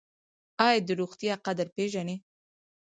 ایا د روغتیا قدر پیژنئ؟